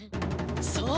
そう！